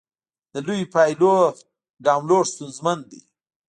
د لویو فایلونو نه ډاونلوډ ستونزمن دی.